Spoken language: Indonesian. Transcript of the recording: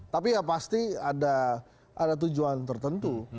tapi ya pasti ada tujuan tertentu